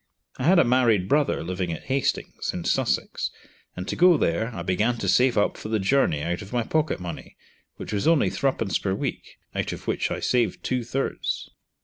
I had a married brother living at Hastings, in Sussex, and to go there I began to save up for the journey out of my pocket money, which was only threepence per week, out of which I saved two thirds.